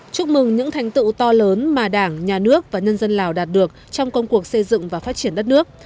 chúc mừng những thành tựu to lớn mà đảng nhà nước và nhân dân lào đạt được trong công cuộc xây dựng và phát triển đất nước